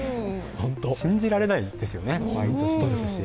信じられないですよね。